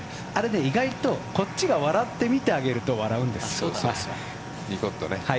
意外とこっちが笑って見てあげると笑うんですよ。